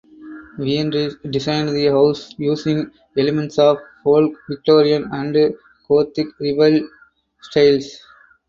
Weinrich designed the house using elements of the Folk Victorian and Gothic Revival styles.